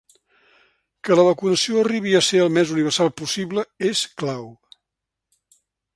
Que la vacunació arribi a ser el més universal possible és clau.